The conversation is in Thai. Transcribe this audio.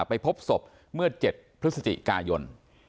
ไปพบศพเมื่อ๗พฤศจิกายน